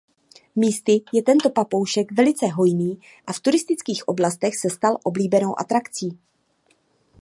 Místy je tento papoušek velice hojný a v turistických oblastech se stal oblíbenou atrakcí.